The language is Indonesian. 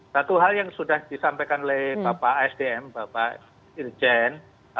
satu hal yang sudah disampaikan oleh bapak sdm bapak irjen